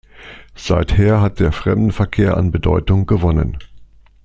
Seither hat der Fremdenverkehr an Bedeutung gewonnen.